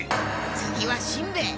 次はしんべヱ！